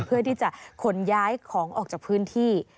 เพื่อที่จะขนย้ายของออกจากพื้นที่